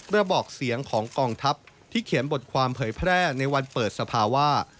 ระบอกเสียงของกองทัพที่เขียนบทความเผยแพร่ในวันเปิดสภาวะ